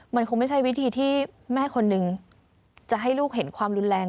มันคงไม่ใช่วิธีที่แม่คนนึงจะให้ลูกเห็นความรุนแรง